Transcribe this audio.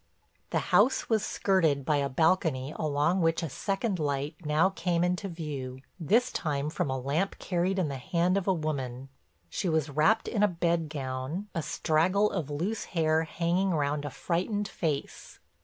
The house was skirted by a balcony along which a second light now came into view; this time from a lamp carried in the hand of a woman. She was wrapped in a bed gown, a straggle of loose hair hanging round a frightened face.